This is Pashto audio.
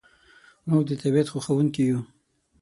موږ د طبیعت خوښونکي یو.